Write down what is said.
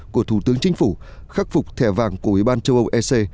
của thủ tướng chính phủ khắc phục thẻ vàng của ủy ban châu âu ec